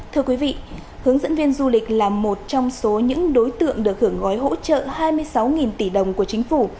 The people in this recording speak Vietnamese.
thưa quý vị hướng dẫn viên du lịch là một trong số những đối tượng được hưởng gói hỗ trợ hai mươi sáu tỷ đồng của chính phủ